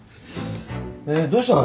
えっどうしたの？